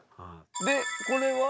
でこれは？